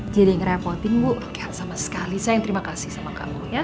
jadi nge reporting bu sama sekali saya yang terima kasih sama kamu ya